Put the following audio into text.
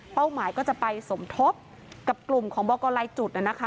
หมายก็จะไปสมทบกับกลุ่มของบอกกรลายจุดนะคะ